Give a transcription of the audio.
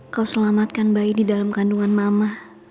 kau selamatkan bayi di dalam kandungan mama